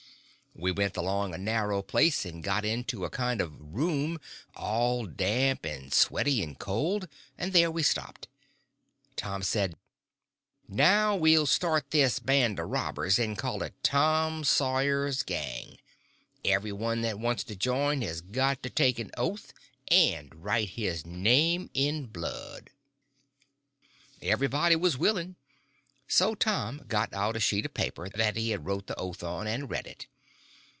We went along a narrow place and got into a kind of room, all damp and sweaty and cold, and there we stopped. Tom says: "Now, we'll start this band of robbers and call it Tom Sawyer's Gang. Everybody that wants to join has got to take an oath, and write his name in blood." Everybody was willing. So Tom got out a sheet of paper that he had wrote the oath on, and read it.